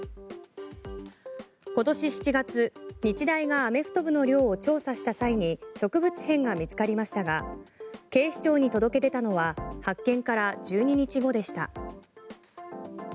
今年７月日大がアメフト部の寮を調査した際に、植物片が見つかりましたが警視庁に届け出たのは発見から１２日後でした。